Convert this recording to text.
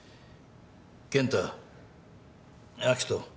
健太明人。